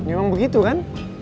emang begitu kan